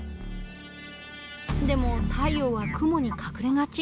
でも太陽は雲に隠れがち。